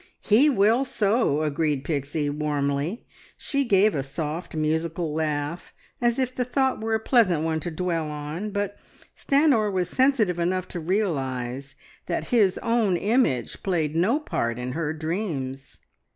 "He will so," agreed Pixie warmly. She gave a soft, musical laugh as if the thought were a pleasant one to dwell on, but Stanor was sensitive enough to realise that his own image played no part in her dreams.